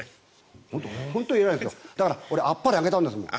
だから俺あっぱれあげたんですもんね